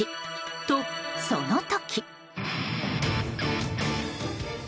と、その時。